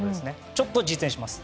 ちょっと実演します。